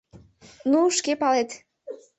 Ну, шке палет.